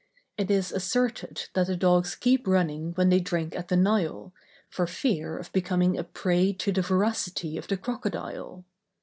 It is asserted that the dogs keep running when they drink at the Nile, for fear of becoming a prey to the voracity of the crocodile.